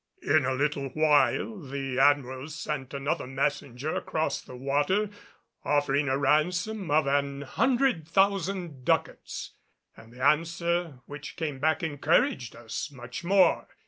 In a little while the Admiral sent another messenger across the water offering a ransom of an hundred thousand ducats, and the answer which came back encouraged us much more.